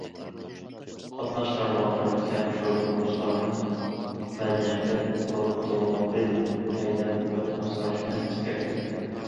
قاتناش تارماقلىرى كەڭ شوپۇر دوستلارنىڭ مەدەنىيەتلىك ئاپتوموبىل ھەيدەپ مۇھىت ئاسراشنى ئەسكەرتكەن.